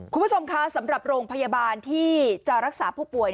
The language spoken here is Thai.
คุณผู้ชมคะสำหรับโรงพยาบาลที่จะรักษาผู้ป่วย